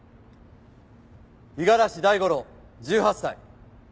五十嵐大五郎１８歳。